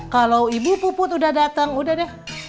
kalo ibu puput udah dateng udah deh